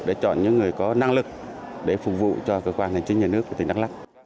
để chọn những người có năng lực để phục vụ cho cơ quan hành chính nhà nước của tỉnh đắk lắc